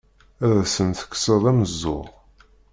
Ad asen-tekkseḍ ameẓẓuɣ!